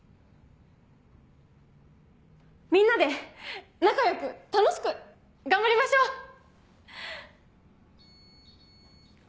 みんなで仲良く楽しく頑張りましょう！